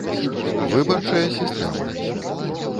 ВЫБАРЧАЯ СІСТЭМА